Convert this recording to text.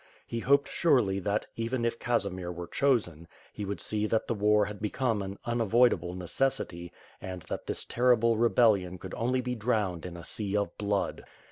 He hoped surely that, even if Casimir were chosen, he would see that the war had became an unavoidable necessity, and that this terrible rebellion could only be drowned in a sea of blood.